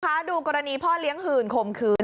ดูกรณีพ่อเลี้ยงหื่นข่มขืน